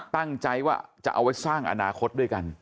ตั้งใจว่าจะเอาไว้สร้างอนาคตด้วยกัน